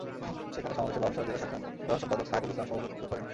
সেখানে সমাবেশে বাপসার জেলা শাখার সাধারণ সম্পাদক সাহেদুল ইসলাম সভাপতিত্ব করেন।